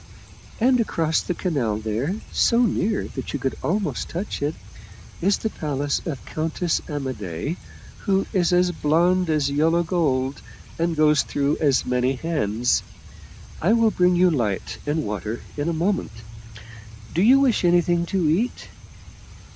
And across the canal there, so near that you could almost touch it, is the palace of Countess Amadei, who is as blond as yellow gold, and goes through as many hands. I will bring you light and water in a moment. Do you wish anything to eat